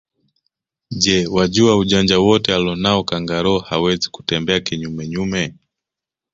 Je wajua ujanja wote alonao kangaroo hawezi kutembea kinyume nyume